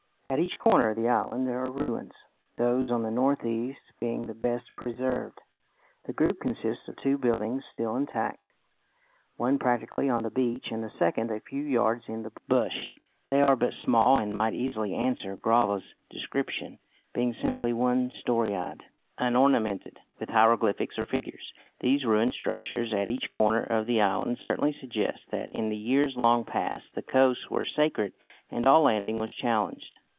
At each corner of the island there are ruins, those on the north east being the best preserved. The group consists of two buildings still intact, one practically on the beach and the second a few yards in the bush. They are but small, and might easily answer Grijalva's description, being simply one storeyed, unornamented with hieroglyphics or figures. These ruined structures at each corner of the island certainly suggest that in the years long past the coasts were sacred and all landing was challenged.